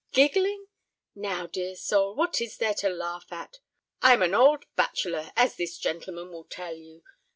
giggling? Now, dear soul, what is there to laugh at? I am an old bachelor, as this gentleman will tell you.